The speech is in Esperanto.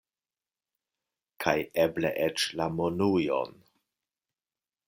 Kaj eble eĉ la monujon.